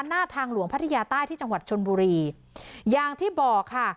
หน้าทางหลวงพัทยาใต้ที่จังหวัดชนบุรีอย่างที่บอกค่ะ